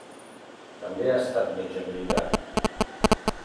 També ha estat metge militar.